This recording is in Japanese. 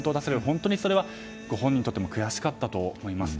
本当にそれはご本人にとっても悔しかったと思います。